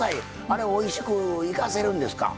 あれおいしく生かせるんですか？